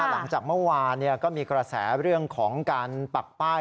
หลังจากเมื่อวานก็มีกระแสเรื่องของการปักป้าย